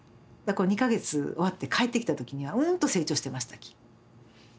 ２か月終わって帰ってきた時にはうんと成長してましたき。